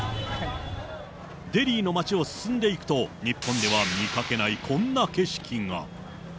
デリーの街を進んでいくと、日本では見かけないこんな景色が。